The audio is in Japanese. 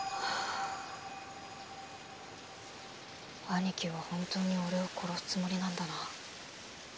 兄貴は本当に俺を殺すつもりなんだな。